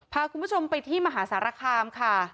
พาคุณผู้ชมไปที่มหาสารคามค่ะ